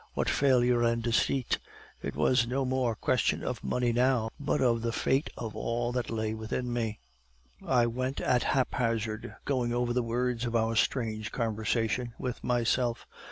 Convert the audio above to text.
What failure and deceit! It was no mere question of money now, but of the fate of all that lay within me. "I went at haphazard, going over the words of our strange conversation with myself.